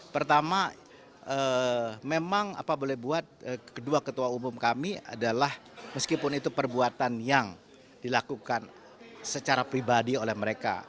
pertama memang apa boleh buat kedua ketua umum kami adalah meskipun itu perbuatan yang dilakukan secara pribadi oleh mereka